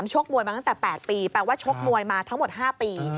ชกมวยมาตั้งแต่๘ปีแปลว่าชกมวยมาทั้งหมด๕ปี